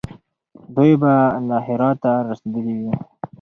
دوی به له هراته را رسېدلي وي.